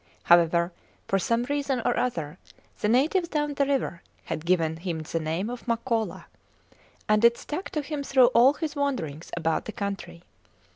However, for some reason or other, the natives down the river had given him the name of Makola, and it stuck to him through all his wanderings about the country.